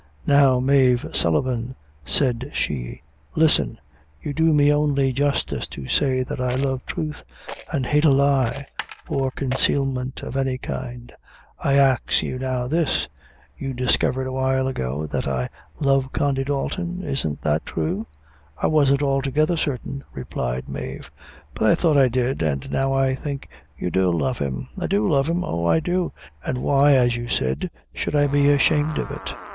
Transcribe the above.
"Now, Mave Sullivan," said she, "listen you do me only justice to say that I love truth, an' hate a lie, or consalement of any kind. I ax you now this you discovered awhile ago that I love Condy Dalton? Isn't that thrue?" "I wasn't altogether certain," replied Mave, "but I thought I did an' now I think you do love him." "I do love him oh, I do an' why as you said, should I be ashamed of it?